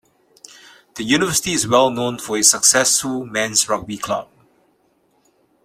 The university is well known for its successful men's rugby club.